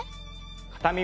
片耳